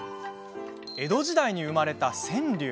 江戸時代に生まれた川柳。